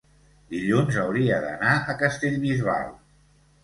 dilluns hauria d'anar a Castellbisbal.